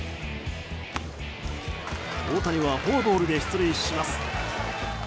大谷はフォアボールで出塁します。